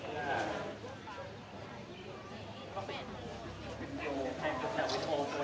แล้วพี่ดูทางมาซักที